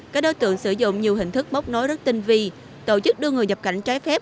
các đối tượng sử dụng nhiều hình thức bốc nối rất tinh vi tổ chức đưa người nhập cảnh trái phép